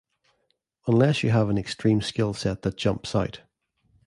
Unless you have an extreme skill set that jumps out.